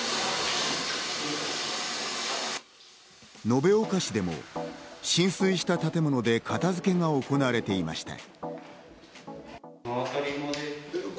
延岡市でも浸水した建物で片付けが行われていました。